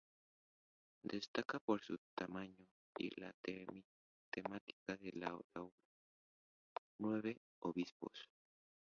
Destaca por su tamaño y por la temática de la obra, nueve obispos.